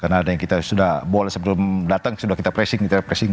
karena ada yang kita sudah sebelum datang sudah kita pressing kita pressing